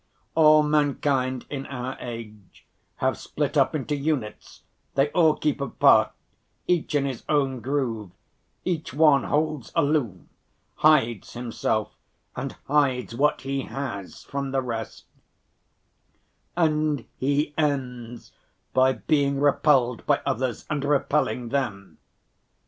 All mankind in our age have split up into units, they all keep apart, each in his own groove; each one holds aloof, hides himself and hides what he has, from the rest, and he ends by being repelled by others and repelling them.